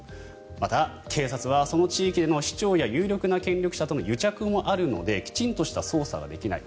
また、警察はその地域での市長や有力な権力者との癒着もあるのできちんとした捜査ができない。